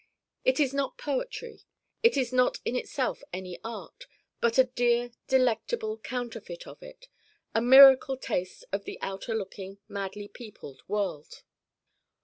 It is not poetry it is not in itself any art, but a dear delectable counterfeit of it, a miracle taste of the outer looking madly peopled world.